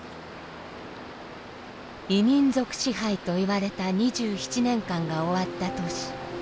異民族支配といわれた２７年間が終わった年。